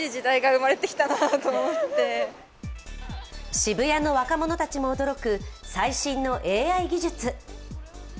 渋谷の若者たちも驚く最新のＡＩ技術。